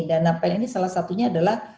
dana pen ini salah satunya adalah